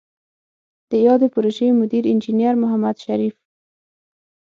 د یادې پروژې مدیر انجنیر محمد شریف